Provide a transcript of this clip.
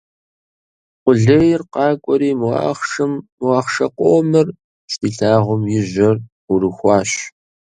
Къулейр къакӀуэри мо ахъшэ къомыр щилъагъум и жьэр Ӏурыхуащ.